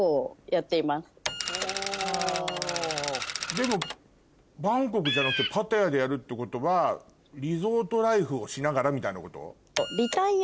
でもバンコクじゃなくてパタヤでやるってことはリゾートライフをしながらみたいなこと？